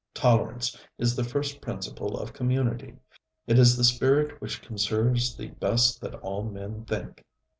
Tolerance is the first principle of community; it is the spirit which conserves the best that all men think.